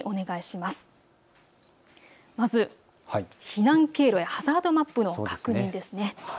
まず避難経路やハザードマップの確認です。